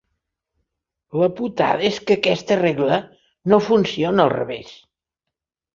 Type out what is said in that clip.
La putada és que aquesta regla no funciona al revés.